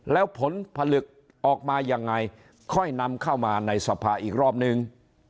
แล้วผลผลึกออกมายังไงค่อยนำเข้ามาในสภาอีกรอบนึง